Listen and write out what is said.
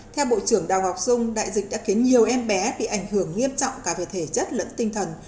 theo bộ trưởng đào ngọc dung đại dịch đã khiến nhiều em bé bị ảnh hưởng nghiêm trọng cả về thể chất lẫn tinh thần